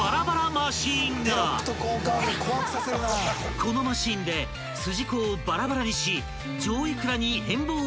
［このマシンで筋子をバラバラにし］